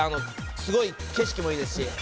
すごい景色もいいですし。